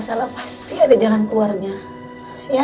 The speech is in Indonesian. jadi kamu jangan sungguh untuk hubungin aku ya